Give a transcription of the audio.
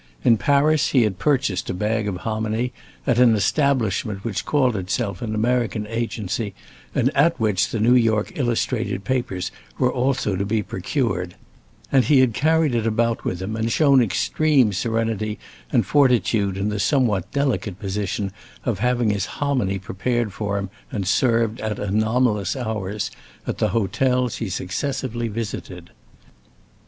In Paris he had purchased a bag of hominy at an establishment which called itself an American Agency, and at which the New York illustrated papers were also to be procured, and he had carried it about with him, and shown extreme serenity and fortitude in the somewhat delicate position of having his hominy prepared for him and served at anomalous hours, at the hotels he successively visited.